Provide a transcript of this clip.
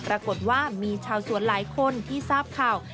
ปรากฏว่ามีชาวสวนหลายคนที่ทราบข่าว